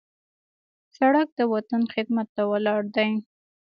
سړک د وطن خدمت ته ولاړ دی.